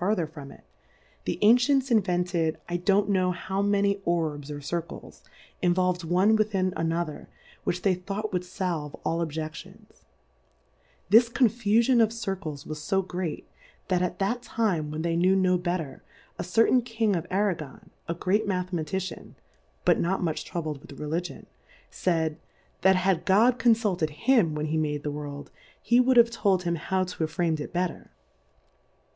17 farther from it; the Ancients invented I don't know how many Orbs or Cir« cles, involved one within another, which they thought would falve all Objedions ; this Confufion of Circles was fo great, that at that Time when they knew no better, a certain King ofjrago^^^ a great Mathematician, ("but not much troubled with Religion,; faid, That had God con [tilted him when he made the Worlds he would have told him how to have fram'^d ithetter.